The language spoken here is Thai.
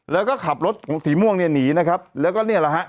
แล้วก็ขับรถของสีม่วงเนี่ยหนีนะครับแล้วก็เนี่ยแหละฮะ